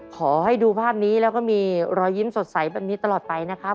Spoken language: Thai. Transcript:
ขอให้ดูภาพนี้แล้วก็มีรอยยิ้มสดใสแบบนี้ตลอดไปนะครับ